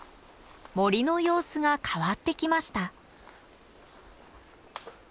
森の様子が変わってきました。